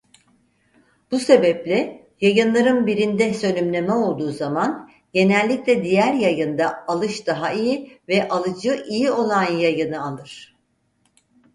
Bu sebeple yayınların birinde sönümleme olduğu zaman genellikle diğer yayında alış daha iyi ve alıcı iyi olan yayını alır.